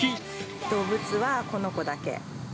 動物はこの子だけ。